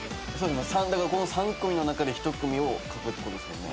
この３組の中で１組を書くってことですもんね。